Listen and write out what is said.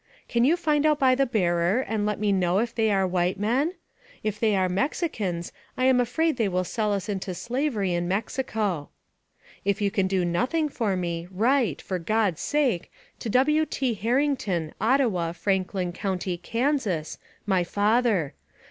Can you find out by the bearer, and let me know if they are white men ? If they are Mexicans, I am afraid they will sell us into slavery in Mexico. " If you can do nothing for me, write, for God's sake! to W. T. Harrington, Ottawa, Franklin County, Kansas my father.